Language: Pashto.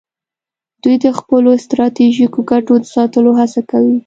دوی د خپلو ستراتیژیکو ګټو د ساتلو هڅه کوي